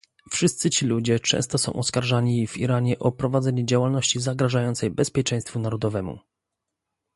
Wszyscy ci ludzie często są oskarżani w Iranie o prowadzenie działalności zagrażającej bezpieczeństwu narodowemu